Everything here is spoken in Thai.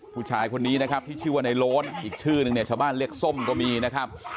ผู้ชายคนนี้นะครับที่ชื่อว่าในโล้นอีกชื่อนึงเนี่ยชาวบ้านเรียกส้มก็มีนะครับ